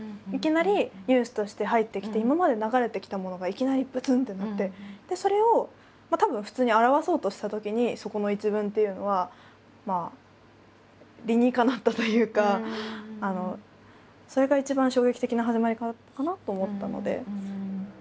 いきなりニュースとして入ってきて今まで流れてきたものがいきなりぶつん！ってなってでそれをたぶん普通に表そうとしたときにそこの１文っていうのは理にかなったというかそれが一番衝撃的な始まりかなと思ったので。